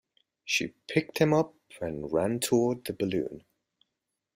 She picked him up and ran toward the balloon.